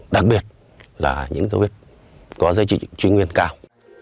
đặc biệt là những dấu vết có dây trị nguyên cao